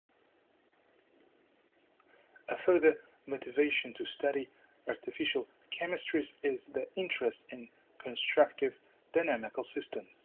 A further motivation to study artificial chemistries is the interest in constructive dynamical systems.